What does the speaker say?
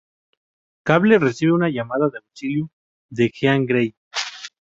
Cable recibe una llamada de auxilio de Jean Grey.